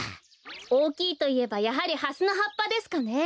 おおきいといえばやはりハスのはっぱですかね。